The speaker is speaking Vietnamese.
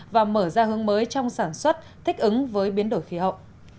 và mở ra hướng mới trong sản xuất thích ứng với biến đổi khí hậu